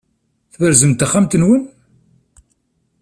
Tberzem-d taxxamt-nwen?